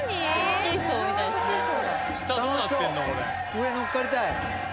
上乗っかりたい。